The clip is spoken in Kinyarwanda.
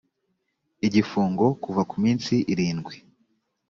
igifungo kuva ku minsi irindwi